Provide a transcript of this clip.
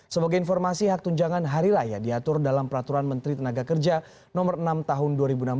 sebagai informasi hak tunjangan hari raya diatur dalam peraturan menteri tenaga kerja no enam tahun dua ribu enam belas